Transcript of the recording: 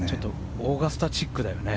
オーガスタチックだよね。